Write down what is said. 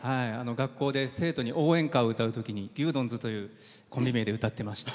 学校で生徒に応援歌を歌うときに「牛丼ズ」というコンビ名で歌ってました。